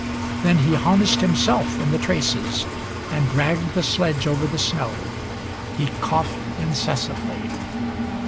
Then he harnessed himself in the traces and dragged the sledge over the snow. He coughed incessantly.